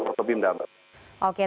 oke terima kasih